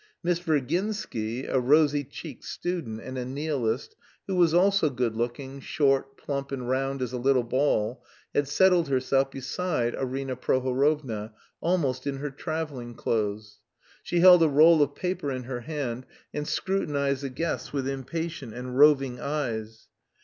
Miss Virginsky, a rosy cheeked student and a nihilist, who was also good looking, short, plump and round as a little ball, had settled herself beside Arina Prohorovna, almost in her travelling clothes. She held a roll of paper in her hand, and scrutinised the guests with impatient and roving eyes.